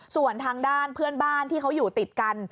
ส่วนทางด้านเพื่อนบ้านที่เขาอยู่ติดกัน